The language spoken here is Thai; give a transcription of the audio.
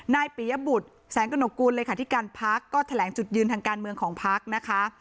นายปริยบุธแสงกระหนกกูลเลยค่ะที่การพักก็แถลงจุดยืนทางการเมืองของพักนะคะ